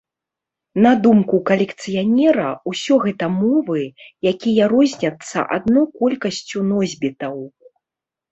На думку калекцыянера, усё гэта мовы, якія розняцца адно колькасцю носьбітаў.